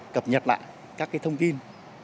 cập nhật lại các cái thông tin